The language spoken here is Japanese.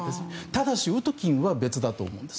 ただしウトキンは別だと思うんです。